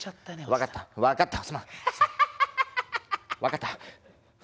分かった分かった。